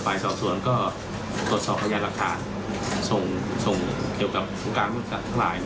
ตามที่เยอะเฟ้นแล้วก็กลุ่มลูกค้า